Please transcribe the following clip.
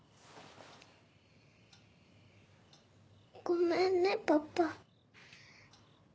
ごめんねパパ。